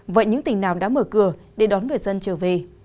vậy những tỉnh nào đã mở cửa để đón người dân trở về